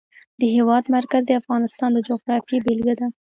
د هېواد مرکز د افغانستان د جغرافیې بېلګه ده.